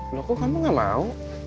loh kok kamu gak lau